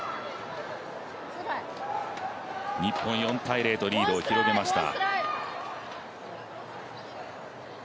日本、４−０とリードを広げました。